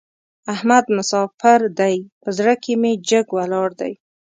احمد مساپر دی؛ په زړه کې مې جګ ولاړ دی.